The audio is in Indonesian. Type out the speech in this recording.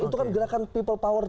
itu kan gerakan people power